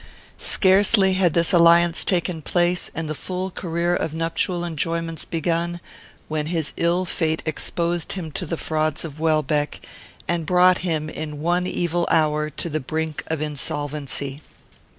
Scarcely had this alliance taken place, and the full career of nuptial enjoyments begun, when his ill fate exposed him to the frauds of Welbeck, and brought him, in one evil hour, to the brink of insolvency.